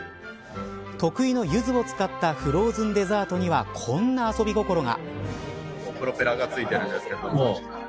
得意のユズを使ったフローズンデザートにはこんな遊び心が。